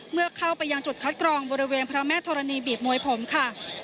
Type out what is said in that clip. เมื่อเข้าไปยังจุดคัดกรองบริเวณพระแม่ธรณีบีบมวยผมค่ะ